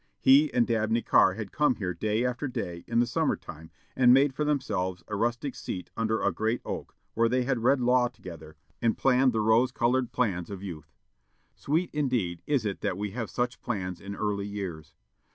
He and Dabney Carr had come here day after day, in the summer time, and made for themselves a rustic seat under a great oak, where they read law together, and planned the rose colored plans of youth. Sweet, indeed, is it that we have such plans in early years.